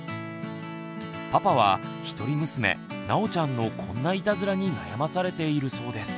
パパは一人娘なおちゃんのこんないたずらに悩まされているそうです。